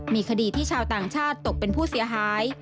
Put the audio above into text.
มีคดีที่ชาวต่างชาติตกเป็นผู้เสียหาย